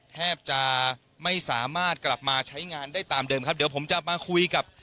แทบจะไม่สามารถกลับมาใช้งานได้ตามเดิมครับเดี๋ยวผมจะมาคุยกับ